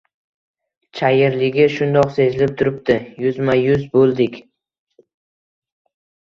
Chayirligi shundoq sezilib turibdi. Yuzma-yuz boʻldik.